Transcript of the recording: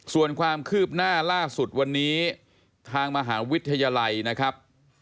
ส่วนความคืบหน้าล่าสุดวันนี้ทางมหาวิทยาลัยนะครับ